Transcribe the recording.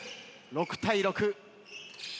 ６対６。